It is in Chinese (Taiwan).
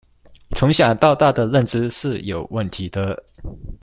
從小到大的認知是有問題的